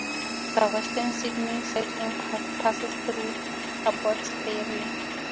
The Western Sydney cycling path passes through Abbotsbury.